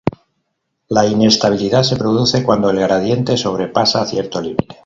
La inestabilidad se produce cuando el gradiente sobrepasa cierto límite.